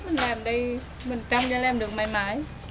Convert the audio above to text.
mình làm đây mình trăm cho làm được mãi mãi